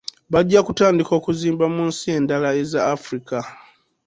Bajja kutandika okuzimba mu nsi endala eza Africa.